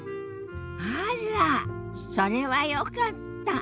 あらっそれはよかった。